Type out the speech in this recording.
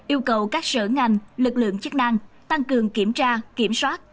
yêu cầu các sở ngành lực lượng chức năng tăng cường kiểm tra kiểm soát